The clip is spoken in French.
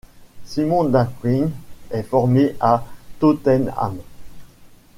Simon Dawkins est formé à Tottenham.